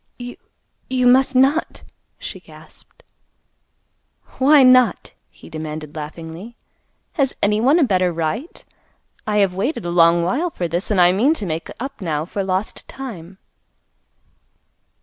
"You—you must not," she gasped. "Why not?" he demanded laughingly. "Has anyone a better right? I have waited a long while for this, and I mean to make up now for lost time."